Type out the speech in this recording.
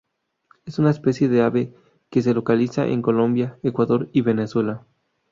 Es una especie de ave que se localiza en Colombia, Ecuador y Venezuela.